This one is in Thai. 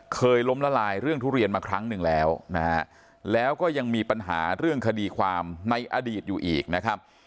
เคยล้มละลายเรื่องทุเรียนมาครั้งหนึ่งแล้วนะฮะแล้วก็ยังมีปัญหาเรื่องคดีความในอดีตอยู่อีกนะครับ